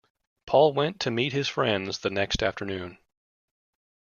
Paul went to meet his friends the next afternoon.